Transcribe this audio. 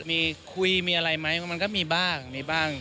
มีคุยมีอะไรไหมมันก็มีบ้างมีบ้าง